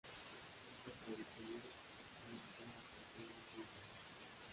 Esta tradición es, o entera o parcialmente, incorrecta.